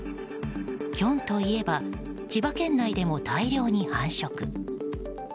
キョンといえば千葉県内でも大量に繁殖。